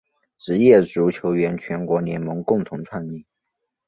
职业足球员全国联盟共同创立。